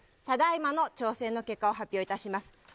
ただいまの挑戦の結果を発表いたします。